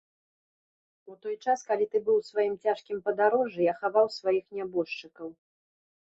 У той час, калі ты быў у сваім цяжкім падарожжы, я хаваў сваіх нябожчыкаў.